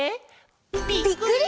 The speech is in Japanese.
ぴっくり！